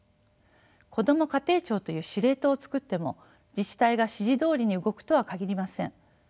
こども家庭庁という司令塔をつくっても自治体が指示どおりに動くとは限りません。